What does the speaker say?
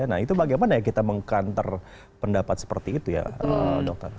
nah itu bagaimana ya kita meng counter pendapat seperti itu ya dokter